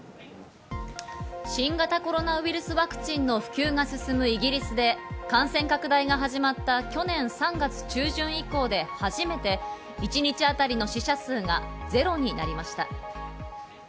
新型コロナウイルスワクチンの普及が進むイギリスで、感染拡大が始まった去年３月中旬以降で初めて一日当たりの死者数がゼロになりました。